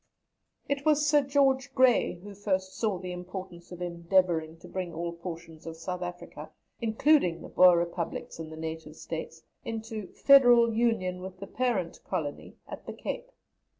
It was Sir George Grey who first saw the importance of endeavouring to bring all portions of South Africa, including the Boer Republics and the Native States, into "federal union with the parent colony" at the Cape.